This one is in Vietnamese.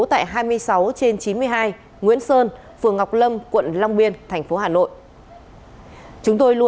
tại hai mươi sáu trên chín mươi hai nguyễn sơn phường ngọc lâm quận long biên thành phố hà nội